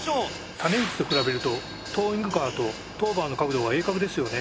種市と比べるとトーイングカーとトーバーの角度が鋭角ですよね。